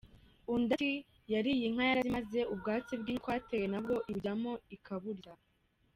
Undi ati “Yariye inka yarazimaze, ubwatsi bw’inka twateye nabwo ibujyamo ikaburya.